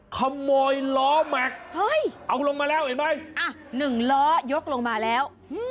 ขโมยล้อแม็กซ์เอาลงมาแล้วเห็นไหม๑ล้อยกลงมาแล้ว